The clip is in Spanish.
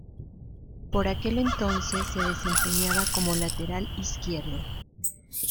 Por aquel entonces se desempeñaba como lateral izquierdo.